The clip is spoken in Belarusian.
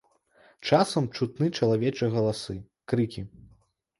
Часам чутны чалавечыя галасы, крыкі.